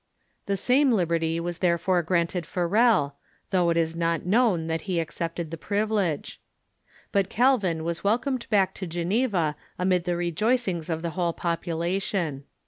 The same liberty was there fore granted Farel, though it is not known that he accepted the privilege.* But Calvin was welcomed back to Geneva amid the rejoicings of the whole population.